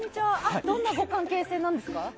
どんなご関係なんですか？